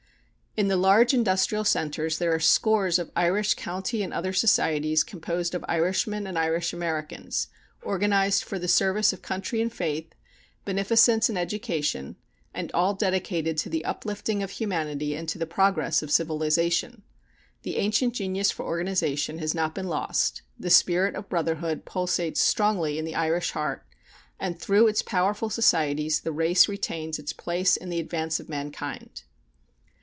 In the large industrial centres there are scores of Irish county and other societies composed of Irishmen and Irish Americans, organized for the service of country and faith, beneficence and education, and all dedicated to the uplifting of humanity and to the progress of civilization. The ancient genius for organization has not been lost, the spirit of brotherhood pulsates strongly in the Irish heart, and through its powerful societies the race retains its place in the advance of mankind.